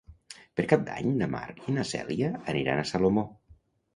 Per Cap d'Any na Mar i na Cèlia aniran a Salomó.